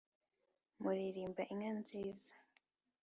muririmba inka nziza